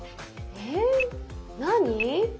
え何？